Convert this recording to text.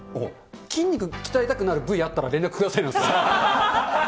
筋肉鍛えたくなる部位あったら連絡くださいなんですよ。